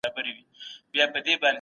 قاضیان باید عادلانه پریکړي وکړي.